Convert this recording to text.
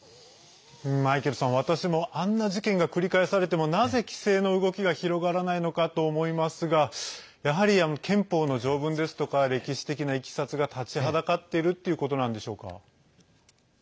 マイケルさん、私もあんな事件が繰り返されてもなぜ規制の動きが広がらないのかと思いますがやはり、憲法の条文ですとか歴史的ないきさつが立ちはだかっているということなんでしょうか。